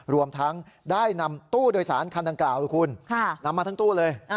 รวมทั้งได้นำตู้โดยสารคันดังกล่าวล่ะคุณนำมาทั้งตู้เลย